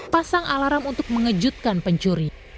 pasang alarm untuk mengejutkan pencuri